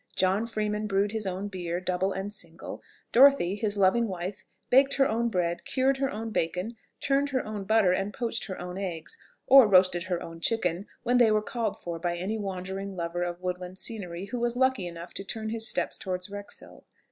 John Freeman brewed his own beer, double and single; Dorothy, his loving wife, baked her own bread, cured her own bacon, churned her own butter, and poached her own eggs, or roasted her own chicken, when they were called for by any wandering lover of woodland scenery who was lucky enough to turn his steps towards Wrexhill.